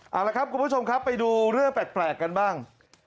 เอาละครับคุณผู้ชมครับไปดูเรื่องแปลกกันบ้าง